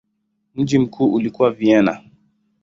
Mji mkuu ulikuwa Vienna.